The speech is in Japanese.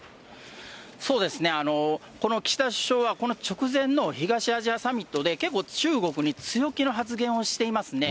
この岸田首相は、この直前の東アジアサミットで結構、中国に強気の発言をしていますね。